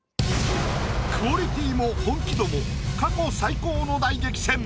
クオリティーも本気度も過去最高の大激戦！